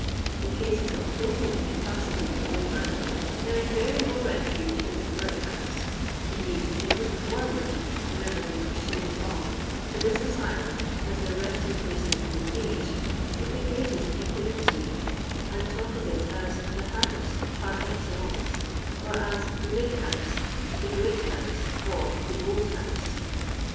In cases of total incapacity for labour, their inva riable refuge is the workhouse ; indeed they look forward (whenever they foresee at all) to this asylum as their resting place in old age, with the greatest equanimity, and talk of it as " the house " par excellence, or ns " the big house," *' the great house," or "the old house."